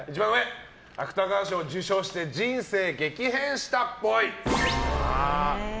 芥川賞を受賞して人生激変したっぽい。